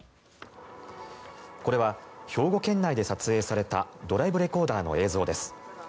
これは兵庫県内で撮影されたドライブレコーダーの映像です。